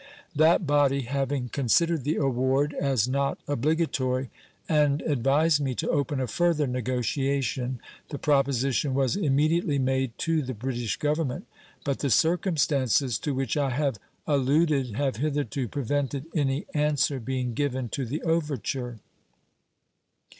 That body having considered the award as not obligatory and advised me to open a further negotiation, the proposition was immediately made to the British Government, but the circumstances to which I have alluded have hitherto prevented any answer being given to the overture.